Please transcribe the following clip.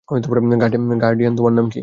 Guardian, তোমার নাম কী?